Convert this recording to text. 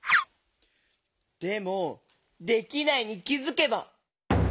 でも「できないに気づけば」？